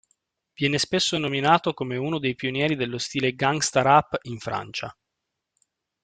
Viene spesso nominato come uno dei pionieri dello stile gangsta rap in Francia.